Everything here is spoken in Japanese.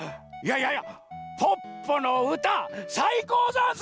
いやいやポッポのうたさいこうざんす！